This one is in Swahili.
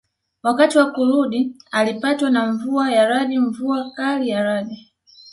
Wakati wa kurudi alipatwa na mvua ya radi mvua kali ya radi